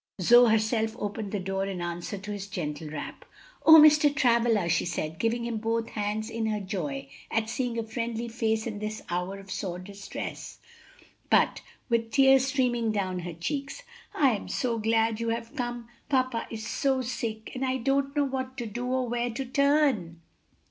Zoe herself opened the door in answer to his gentle rap. "O Mr. Travilla!" she said, giving him both hands in her joy at seeing a friendly face in this hour of sore distress, but with tears streaming down her cheeks, "I am so glad you have come! Papa is so sick, and I don't know what to do, or where to turn."